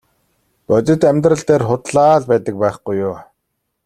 Бодит амьдрал дээр худлаа л байдаг байхгүй юу.